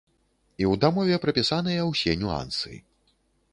І ў дамове прапісаныя ўсе нюансы.